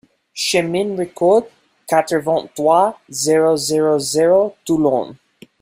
Chemin Ricord, quatre-vingt-trois, zéro zéro zéro Toulon